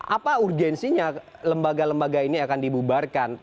apa urgensinya lembaga lembaga ini akan dibubarkan